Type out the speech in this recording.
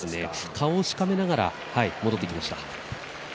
顔をしかめながら戻ってきました。